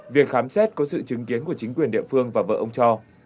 việc khám xét có sự chứng kiến của chính quyền địa phương và vợ ông cho